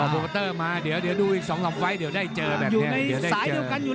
เออโปรเตอร์มาเดี๋ยวดูอีก๒สองไฟน์เดี๋ยวได้เจอแบบนี้